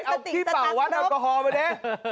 เอาที่เป่าวัดแอลกอฮอล์มาดิ